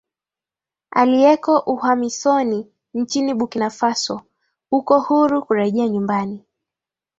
aliyeko uhamisoni nchini bukinafurso uko huru kurejea nyumbani